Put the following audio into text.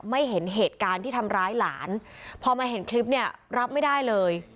เห็นเหตุการณ์ที่ทำร้ายหลานพอมาเห็นคลิปเนี่ยรับไม่ได้เลย